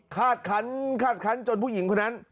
คาดคันจนผู้หญิงคนนั้น